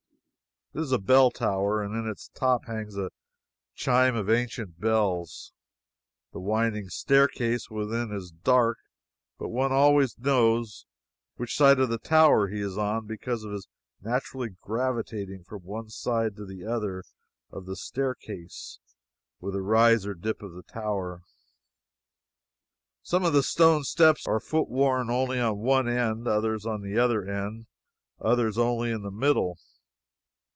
It is a bell tower, and in its top hangs a chime of ancient bells. The winding staircase within is dark, but one always knows which side of the tower he is on because of his naturally gravitating from one side to the other of the staircase with the rise or dip of the tower. Some of the stone steps are foot worn only on one end; others only on the other end; others only in the middle.